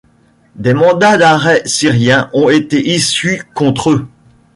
Des mandats d’arrêt syriens ont été issus contre eux.